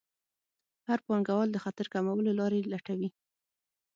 هر پانګوال د خطر کمولو لارې لټوي.